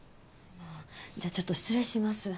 じゃあちょっと失礼します。